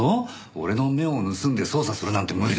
俺の目を盗んで捜査するなんて無理だ。